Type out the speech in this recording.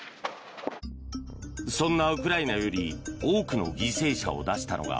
そんなウクライナより多くの犠牲者を出したのが